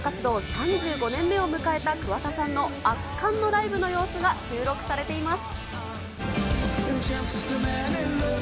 ３５年目を迎えた桑田さんの圧巻のライブの様子が収録されています。